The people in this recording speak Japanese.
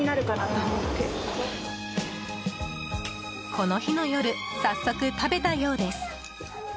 この日の夜早速、食べたようです。